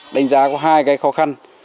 đánh giá có hai khó khăn